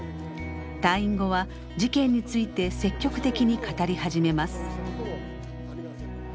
退院後は事件について積極的に語り始めます。